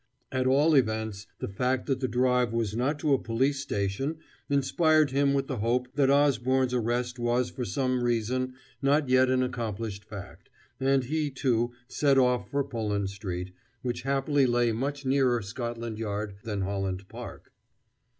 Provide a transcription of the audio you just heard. At all events, the fact that the drive was not to a police station inspired him with the hope that Osborne's arrest was for some reason not yet an accomplished fact, and he, too, set off for Poland Street, which happily lay much nearer Scotland Yard than Holland Park.